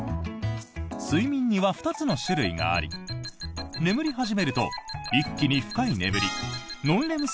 睡眠には２つの種類があり眠り始めると一気に深い眠りノンレム